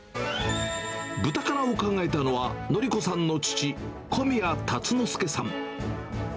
ブタカラを考えたのは、徳子さんの父、小宮辰之助さん。